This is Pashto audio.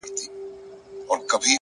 د چای پیاله کله کله د خبرو ځای نیسي!